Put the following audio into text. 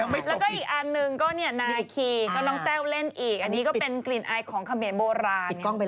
ไม่ใช่ไม่ใช่